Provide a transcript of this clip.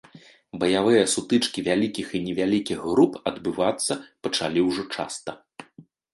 Баявыя сутычкі вялікіх і невялікіх груп адбывацца пачалі ўжо часта.